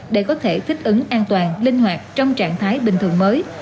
để có thể thích ứng an toàn linh hoạt trong trạng thái bình thường mới